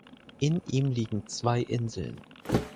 In ihm liegen zwei Inseln.